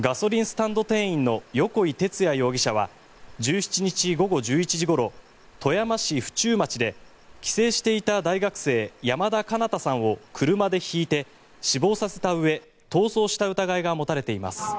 ガソリンスタンド店員の横井徹哉容疑者は１７日午後１１時ごろ富山市婦中町で帰省していた大学生山田翔向さんを車でひいて死亡させたうえ逃走した疑いが持たれています。